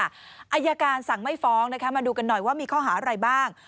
อายการสั่งไม่ฟ้องนะคะมาดูกันหน่อยว่ามีข้อหาอะไรบ้าง